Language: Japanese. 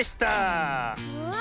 うわ！